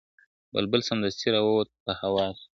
بلبل سمدستي را ووت په هوا سو `